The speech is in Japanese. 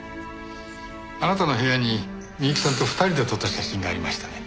あなたの部屋に美雪さんと２人で撮った写真がありましたね。